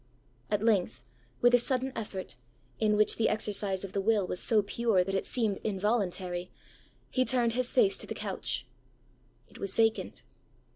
At length, with a sudden effort, in which the exercise of the will was so pure, that it seemed involuntary, he turned his face to the couch. It was vacant.